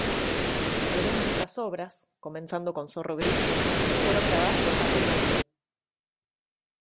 Algunas de esas obras –comenzando con "Zorro gris"- fueron grabadas por Carlos Gardel.